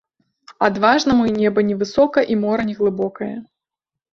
Адважнаму і неба невысока, і мора неглыбокае.